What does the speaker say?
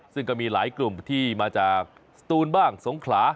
ซึ่งก็มีหลายกลุ่มที่มาจากสตูนบ้างสงขลา